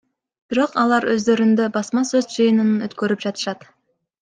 Бирок алар өздөрүндө басма сөз жыйынын өткөрүп жатышат.